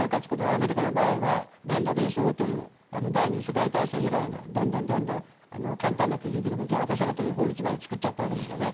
アメリカの場合はレンドリース法という第２次世界大戦以来のどんどん簡単な手続きで武器が渡せるという法律まで作ったわけですよね。